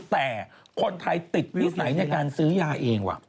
แต่คนไทยติดวิสัยในการซื้อยาเองว่ะ